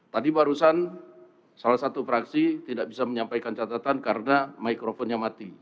tadi barusan salah satu fraksi tidak bisa menyampaikan catatan karena mikrofonnya mati